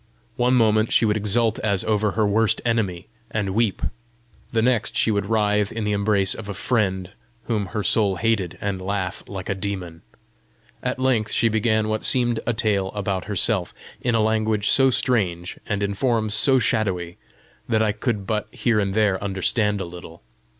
One moment she would exult as over her worst enemy, and weep; the next she would writhe as in the embrace of a friend whom her soul hated, and laugh like a demon. At length she began what seemed a tale about herself, in a language so strange, and in forms so shadowy, that I could but here and there understand a little.